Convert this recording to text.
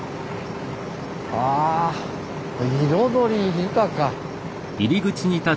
あ彩り豊か。